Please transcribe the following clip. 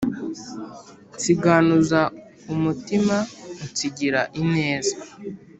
Nsiganuza umutima unsigira ineza,